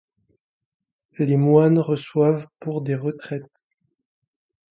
Les moines reçoivent pour des retraites.